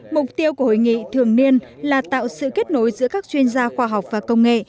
mục tiêu của hội nghị thường niên là tạo sự kết nối giữa các chuyên gia khoa học và công nghệ